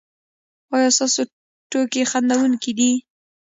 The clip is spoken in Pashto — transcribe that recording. ایا ستاسو ټوکې خندونکې دي؟